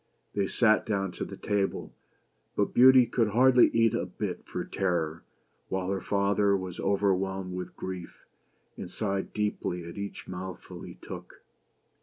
They sat down to table, but Beauty could hardly eat a bit for terror, while her father was overwhelmed with grief, and sighed deeply at each mouthful he took.